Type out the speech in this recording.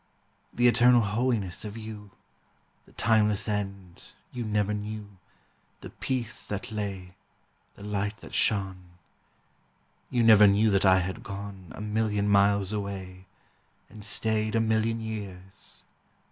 The eternal holiness of you, The timeless end, you never knew, The peace that lay, the light that shone. You never knew that I had gone A million miles away, and stayed A million years.